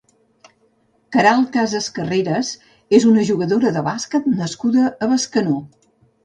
Queralt Casas Carreras és una jugadora de bàsquet nascuda a Bescanó.